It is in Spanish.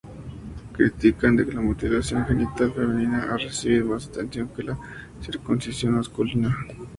Critican que la mutilación genital femenina ha recibido más atención que la circuncisión masculina.